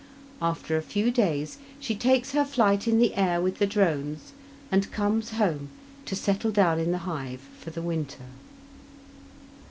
After a few days she takes her flight in the air with the drones, and comes home to settle down in the hive for the winter.